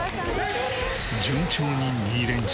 順調に２連勝。